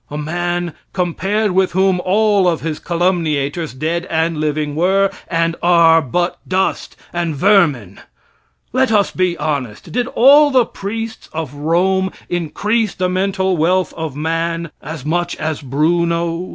A man, compared with whom all of his calumniators, dead and living, were, and are, but dust and vermin. Let us be honest. Did all the priests of Rome increase the mental wealth of man as much as Bruno?